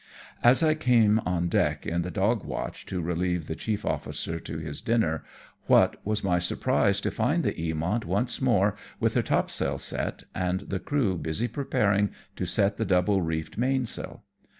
As I came on deck in the dog watch to relieve the chief officer to his dinner, what was my surprise to find the Eamont once more with her topsail set, and the crew busy preparing to set the double reefed mainsail.